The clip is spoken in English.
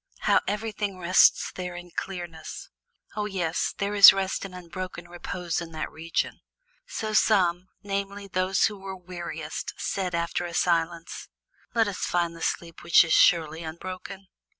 How everything rests there in clearness!" "Oh, yes, there is rest and unbroken repose in that region." So some, namely, those who were weariest, said after a silence: "Let us find the sleep which is surely unbroken."